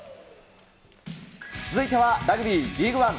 続いてはラグビーリーグワン。